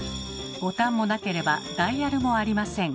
ボタンもなければダイヤルもありません。